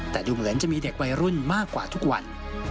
แต่ดูเหมือนจะมีเด็กวัยรุ่นมากกว่าทุกวัน